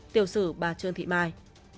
tiểu sử bà trương thị mai